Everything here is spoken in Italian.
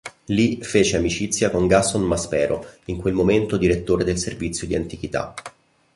Lì fece amicizia con Gaston Maspero, in quel momento direttore del Servizio di Antichità.